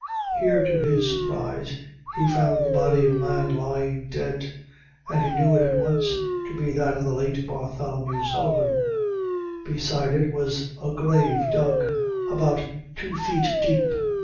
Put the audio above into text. Here, to his surprise, he found the body of a man lying dead, and he knew it at once to be that of the late Bartholomew Sullivan; beside it was a grave dug, about two feet deep.